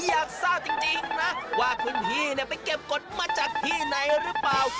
อยากทราบจริงนะว่าคุณพี่ไปเก็บกฎมาจากที่ไหนหรือเปล่า